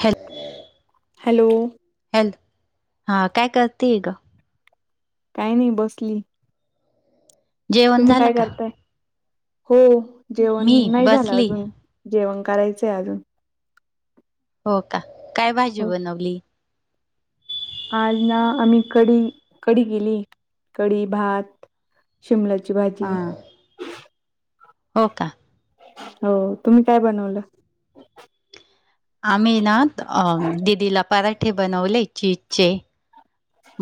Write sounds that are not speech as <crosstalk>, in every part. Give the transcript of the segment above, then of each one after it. ह्या <unintelligible> hello? Hello? हा, काय करतीये ग काही नाही, बसली. जेवण तुम्ही झालं काय का करताय? हो, जेवण मी नाही झालं बसली अजून जेवण करायचंय अजून. हो का, काय भाजी हो बनवली? आज ना आम्ही कढी, कढी केेली. कढी भात, शिमलाची <unintelligible> भाजी हा हो का. हो, तुम्ही काय बनवलं? आम्ही ना अ, दिदीला पराठे बनवले, चीजचे.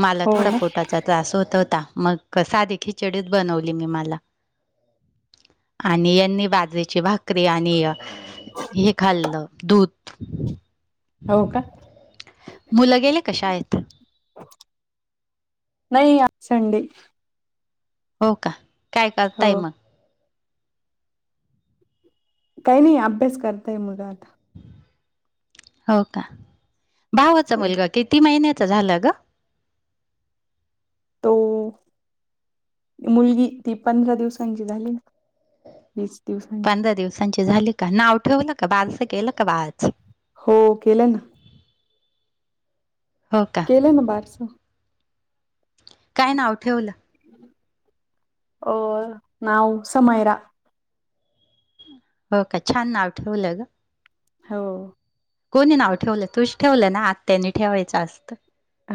मला हो थोडा ना पोटाचा त्रास होत होता, मग साधी खिचडीच बनवली मी मला. आणि यांनी बाजरीची भाकरी आणि हे खाल्लं, दूध हो का. मुलं गेली का शाळेत? नाही, आज संडे. हो का, काय हो करताय मग? काही नाही, अभ्यास करताय मुलं आता. हो का? भावाचा हो. मुलगा किती महिन्याच झाला ग? तो मुलगी ती पंधरा दिवसांची झाली ना. वीस दिवसांची पंधरा दिवसांची झाली का? नाव ठेवलं का बारस केलं का बाळाचं? हो केलं ना. हो का. केलं ना बारस. काय नाव ठेवलं? ओ, नाव समयरा. हो का, छान नाव ठेवलं ग. हो कोणी नाव ठेवलं? तूच ठेवलं ना? आत्यानी ठेवायचं असतं.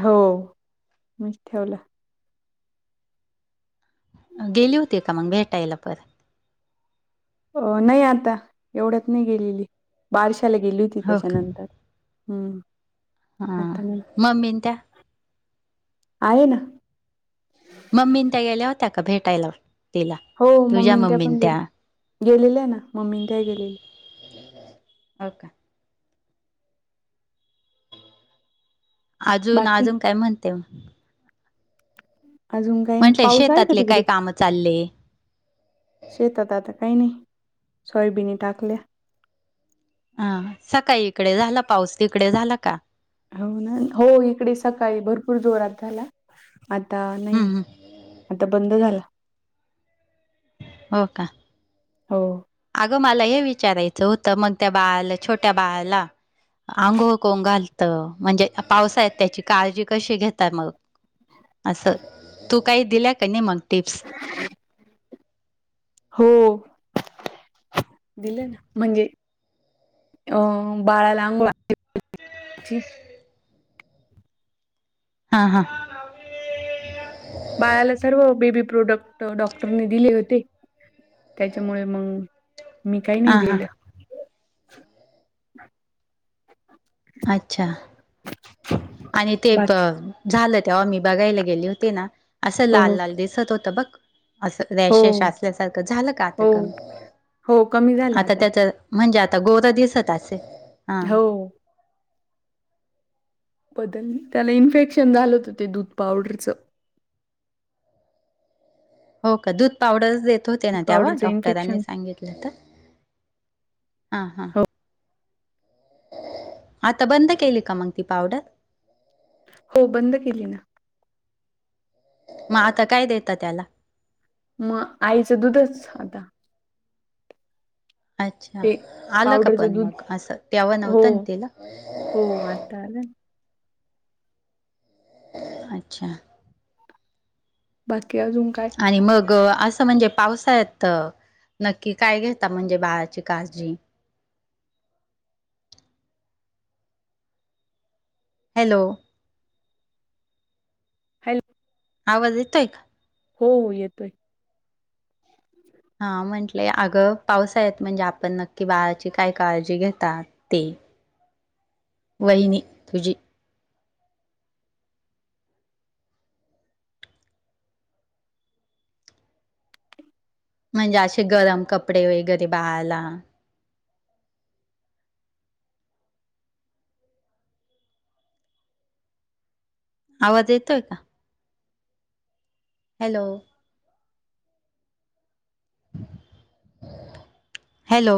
हो, मीच ठेवलं. गेली होती का मग भेटायला परत? हो नाही आता, एवढच नाही गेलेली, बारशाला गेली होती, हो त्याच्यानंतर हम्म! हा, मम्मी त्या आहे ना. मम्मीन त्या गेल्या होत्या का भेटायला? तिला हो मम्मीन त्या, पण गेले गेलेल्या ना, मम्मी त्या गेलेल्या. <unintelligible> <inaudible> हा का? अजून, बाकी अजून काय म्हणते? अजून काही नाही. म्हटलं पाऊस आहे का शेतातले काय तिकडे? काम चालले शेतात आता काही नाही सोयाबीनी टाकल्या हा सकाळी इकडे झाला पाऊस, तिकडे झाला का? हो ना हो इकडे सकाळी भरपूर जोरात झाला आता हम्म नाहीये. हम्म आता बंद झाला हो का. हो. अगं मला हे विचारायचं होतं मग त्या बाळाला छोट्या बाळाला आंघोळ कोण घालतं म्हणजे पावसाळ्यात त्याची काळजी कशी घेतात मग? असं तू काही दिल्या का नाही मग टिप्स <inaudible> हो. दिले ना म्हणजे अम बाळाला अंघो <inaudible> हा हा. बाळाला सर्व बेबी प्रोडक्ट डॉक्टरने दिले होते त्याच्यामुळे मंग मी काही नाही हां हां दिलं अच्छा. आणि ते बाकी झालं तेव्हा मी बघायला गेले होते ना असं हो, लाल हो, लाल दिसत होतं बघ असं रॅशेश हो, असल्यासारखं झालं का आता हो, कमी हो, कमी झाला आता त्याच म्हणजे आता गोर दिसत असेल हो. बदल, त्याला इन्फेक्शन झालंत हो ते दूध पावडरचं हो का दूध पावडरचं देत होते ना दूध तेव्हा पावडरचं डॉक्टरांनी इन्फेक्शन सांगितलं त हा हा. हो, आता बंद केली का मंग ती पावडर? हो बंद केली ना. म आता काय देता त्याला? म आईचं दुधंच आता अच्छा ते आलं का पण पावडरचं दूध मग असं तेव्हा हो, नव्हतं ना तिला हो आत्ता आलं अच्छा. बाकी अजून काय? आणि मग असं म्हणजे पावसाळ्यात नक्की काय घेता म्हणजे बाळाची काळजी? हॅलो. हॅ आवाज येतोय का? हो हो येतोय. हा म्हटलेय अगं पावसाळ्यात म्हणजे आपण नक्की बाळाची काय काळजी घेतात ते, वहिनी तुझी म्हणजे असे गरम कपडे वगैरे बाळाला आवाज येतोय का? हॅलो. हॅलो.